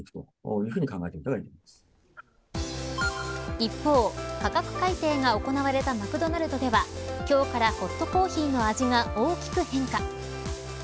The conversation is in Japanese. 一方、価格改定が行われたマクドナルドでは今日からホットコーヒーの味が大きく変化。